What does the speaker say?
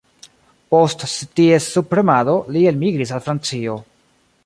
Post ties subpremado, li elmigris al Francio.